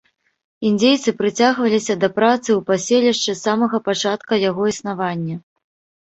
Індзейцы прыцягваліся да працы ў паселішчы з самага пачатка яго існавання.